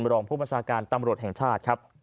บรองผู้ประชาการตำรวจแห่งชาติ